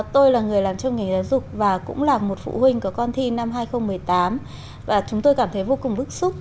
tôi là người làm trong ngành giáo dục và cũng là một phụ huynh có con thi năm hai nghìn một mươi tám và chúng tôi cảm thấy vô cùng bức xúc